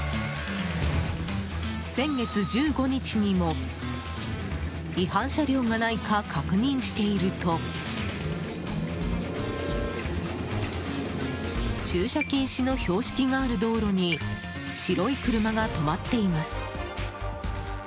先月１５日にも違反車両がないか確認していると駐車禁止の標識がある道路に白い車が止まっています。